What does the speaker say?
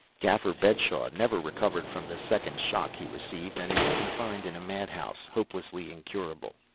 Gaffer Bedshaw never recovered from the second shock he received, and is confined in a madhouse, hopelessly incurable.